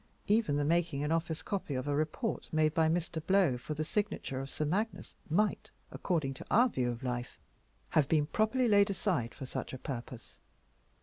Even the making an office copy of a report made by Mr. Blow for the signature of Sir Magnus might, according to our view of life, have been properly laid aside for such a purpose.